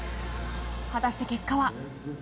果たして結果は。